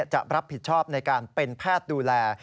จะรับผิดชอบในการเป็นแพทย์ดูแล